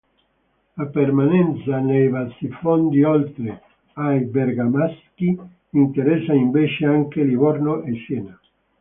La permanenza nei bassifondi, oltre ai bergamaschi, interessa invece anche Livorno e Siena.